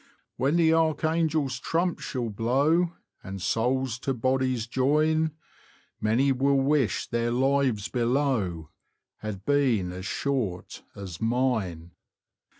:"— When the archangel's trump shall blow, And souls to bodies join, Many will wish their lives below Had been as short as mine.